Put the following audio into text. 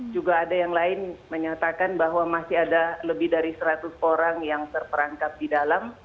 juga ada yang lain menyatakan bahwa masih ada lebih dari seratus orang yang terperangkap di dalam